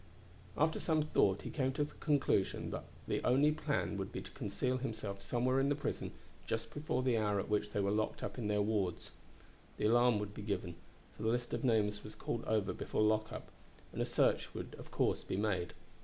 After some thought he came to the conclusion that the only plan would be to conceal himself somewhere in the prison just before the hour at which they were locked up in their wards. The alarm would be given, for the list of names was called over before lock up, and a search would of course be made.